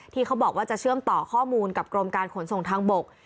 ที่เขาบอกว่าจะเชื่อมต่อข้อมูลกับกรมการขนส่งทางบก